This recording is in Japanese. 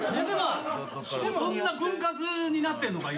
そんな分割になってんのか？